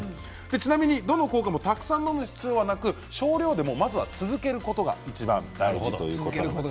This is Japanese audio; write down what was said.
ちなみにどの効果もたくさん飲む必要はなく少量でも、まずは続けることがいちばん大事ということです。